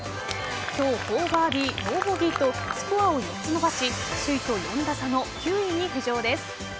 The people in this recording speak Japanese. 今日、４バーディーノーボギーとスコアを４つ伸ばし首位と４打差の９位に浮上です。